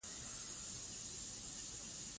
څنګه خلک واکسین ته وهڅوو؟